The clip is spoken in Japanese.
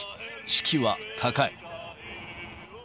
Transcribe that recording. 士気は高い。